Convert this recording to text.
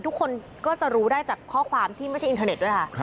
ทุกคนก็จะรู้ได้จากข้อความที่ไม่ใช่อินเทอร์เน็ตด้วยค่ะ